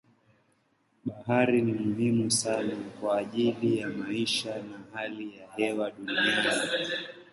Bahari ni muhimu sana kwa ajili ya maisha na hali ya hewa duniani.